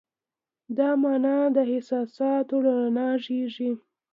دا مانا د احساساتو له رڼا زېږېږي.